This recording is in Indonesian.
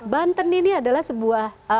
banten ini adalah sebuah